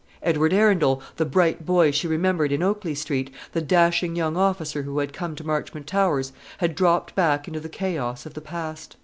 Edward Arundel, the bright boy she remembered in Oakley Street, the dashing young officer who had come to Marchmont Towers, had dropped back into the chaos of the past.